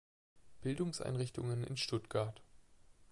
Bildungseinrichtungen in Stuttgart